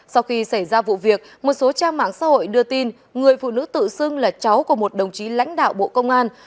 sau khi xảy ra vụ việc một số trang mạng xã hội đưa tin người phụ nữ tự xưng là cháu của một đồng chí lãnh đạo bộ công an